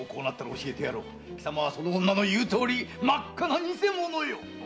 貴様はその女の言うとおり真っ赤な偽者よ！